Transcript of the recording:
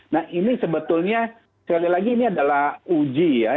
nah ini sebetulnya sekali lagi ini adalah uji ya